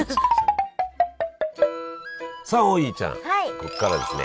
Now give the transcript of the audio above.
ここからはですね